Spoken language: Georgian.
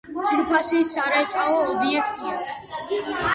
ძვირფასი სარეწაო ობიექტია.